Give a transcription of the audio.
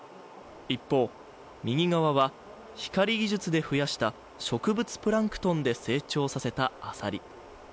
一方、右側は光技術で増やした植物プランクトンで成長させたアサリ。